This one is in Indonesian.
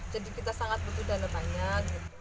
jadi kita sangat butuh dana banyak